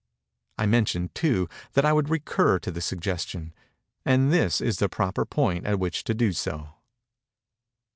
I mentioned, too, that I would recur to the suggestion:—and this is the proper point at which to do so.